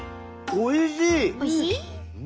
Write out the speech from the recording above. おいしい？